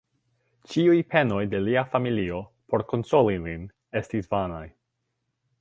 Ĉiuj penoj de lia familio, por konsoli lin, estis vanaj.